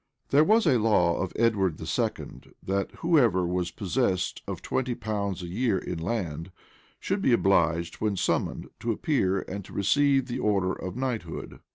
[v*] There was a law of Edward II.,[v] that whoever was possessed of twenty pounds a year in land, should be obliged, when summoned, to appear and to receive the order of knighthood.